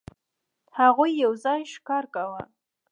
هغوی یو ځای ښکار کاوه.